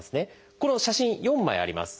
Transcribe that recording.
この写真４枚あります。